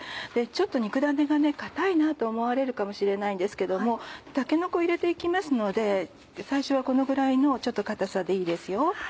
ちょっと肉だねが固いと思われるかもしれないんですけどもたけのこ入れて行きますので最初はこのぐらいの固さでいいですよ。